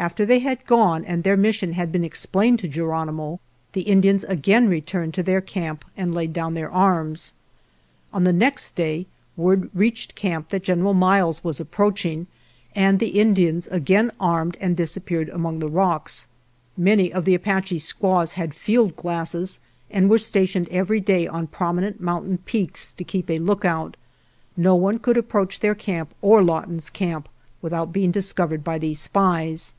After they had gone and their mission had been explained to Ge ronimo the Indians again returned to their camp and laid down their arms. On the next day word reached camp th*\t General Miles was approaching and the In dians again armed and disappeared among the rocks. (Many of the Apache squaws 171 GERONIMO had field glasses 3 and were stationed every day on prominent mountain peaks to keep a lookout. No one could approach their camp or Lawton's camp without being discovered by these spies.)